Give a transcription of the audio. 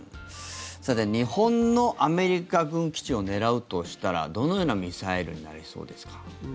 日本のアメリカ軍基地を狙うとしたらどのようなミサイルになりそうですか？